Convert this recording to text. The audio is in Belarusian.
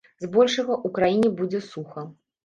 З большага, у краіне будзе суха.